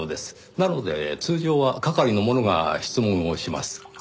なので通常は係の者が質問をします。